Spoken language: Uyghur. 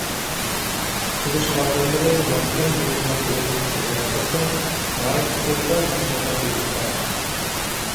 قۇتقۇزۇش خادىملىرى يانفون يوللىغان ئورۇن ئۇچۇرىغا ئاساسەن، ناھايىتى تېزلا نەق مەيدانغا يېتىپ بارغان.